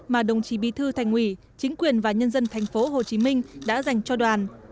mà đồng chí bí thư thành ủy chính quyền và nhân dân tp hcm đã dành cho đoàn